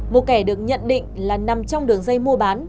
một kẻ được nhận định là nằm trong đường dây mua bán